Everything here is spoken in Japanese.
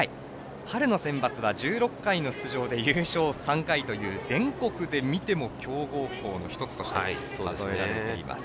春のセンバツは１６回の出場で優勝３回という全国で見ても強豪校の１つとして数えられています。